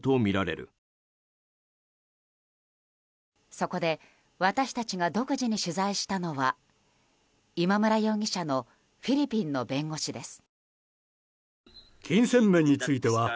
そこで、私たちが独自に取材したのが今村容疑者のフィリピンの弁護士です。